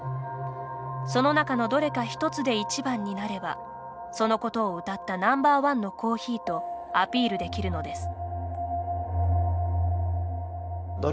その中のどれか１つで１番になればそのことをうたったＮｏ．１のコーヒーとアピールできるのです。